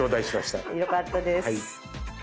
よかったです。